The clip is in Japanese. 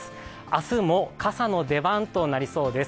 明日も傘の出番となりそうです。